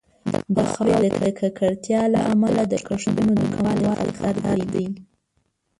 د خاورې د ککړتیا له امله د کښتونو د کموالي خطر دی.